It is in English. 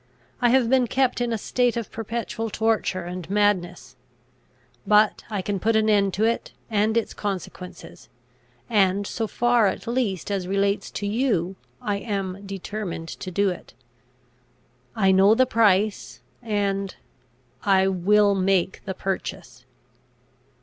I have been kept in a state of perpetual torture and madness. But I can put an end to it and its consequences; and, so far at least as relates to you, I am determined to do it. I know the price, and I will make the purchase.